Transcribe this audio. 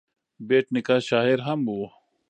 بېټ نیکه شاعر هم و.